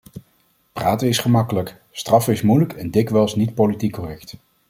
Praten is gemakkelijk, straffen is moeilijk en dikwijls niet politiek correct.